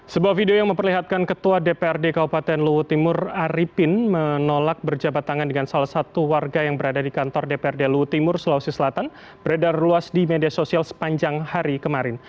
sebuah video yang memperlihatkan ketua dprd kabupaten luhut timur arifin menolak berjabat tangan dengan salah satu warga yang berada di kantor dprd luhut timur sulawesi selatan beredar luas di media sosial sepanjang hari kemarin